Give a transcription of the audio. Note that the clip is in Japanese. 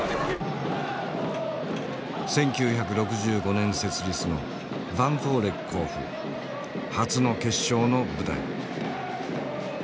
１９６５年設立のヴァンフォーレ甲府初の決勝の舞台。